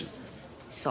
そう。